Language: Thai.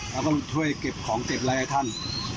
เราก็ช่วยเก็บของเจ็บไรให้ท่าน